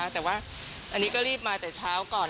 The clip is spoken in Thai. แต่ว่าอันนี้ก็รีบมาแต่เช้าก่อน